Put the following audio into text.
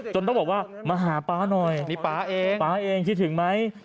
ต้องบอกว่ามาหาป๊าหน่อยนี่ป๊าเองป๊าเองคิดถึงไหม